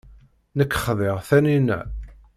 Nekk xḍiɣ Taninna.